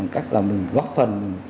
cách là mình góp phần